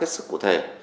các khết sức cụ thể